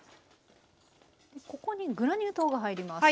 ここにグラニュー糖が入ります。